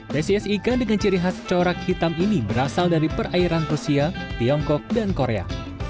spesies ikan dengan ciri khas corak hitam ini berasal dari perairan rusia tiongkok dan korea